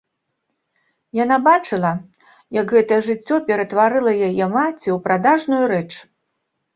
Яна бачыла, як гэтае жыццё ператварыла яе маці ў прадажную рэч.